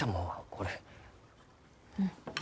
うん。